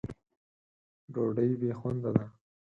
ډوډۍ بې خونده ده.